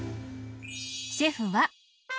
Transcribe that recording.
シェフは。